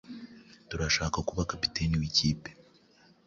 Turashaka ko uba kapiteni wikipe.